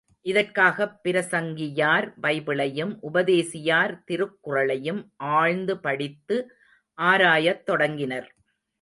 இதற்காகப் பிரசங்கியார் பைபிளையும், உபதேசியார் திருக்குறளையும் ஆழ்ந்து படித்து ஆராயத் தொடங்கினர்.